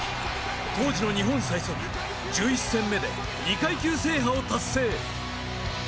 当時の日本最速１１戦目で２階級制覇を達成。